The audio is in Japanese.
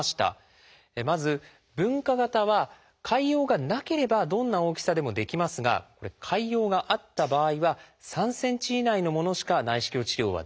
まず分化型は潰瘍がなければどんな大きさでもできますが潰瘍があった場合は３ｃｍ以内のものしか内視鏡治療はできません。